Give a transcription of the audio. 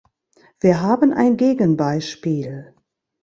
Wir haben ein Gegenbeispiel.